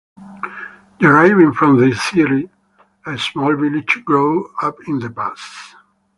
Deriving from this theory, a small village grew up in the pass.